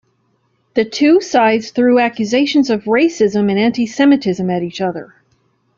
The two sides threw accusations of racism and anti-Semitism at each other.